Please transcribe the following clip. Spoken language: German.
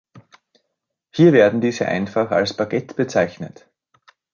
Hier werden diese einfach als „Baguette“ bezeichnet.